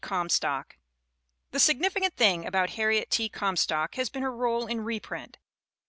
COM STOCK THE significant thing about Harriet T. Corn stock has been her role in reprint.